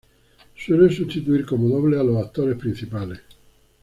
Suele sustituir como doble a los actores principales.